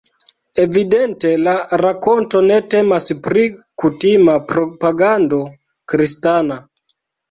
Evidente, la rakonto ne temas pri kutima propagando kristana.